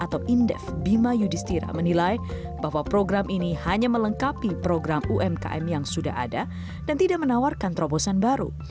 atau indef bima yudhistira menilai bahwa program ini hanya melengkapi program umkm yang sudah ada dan tidak menawarkan terobosan baru